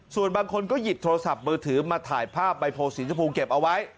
ส่วนบางคนก็หยิบโทรศัพท์มือถือมาถ่ายภาพใบโพลสีชมพูเก็บเอาไว้